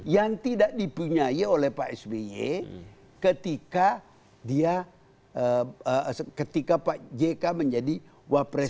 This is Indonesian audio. yang tidak dipunyai oleh pak sby ketika dia ketika pak jk menjadi wapres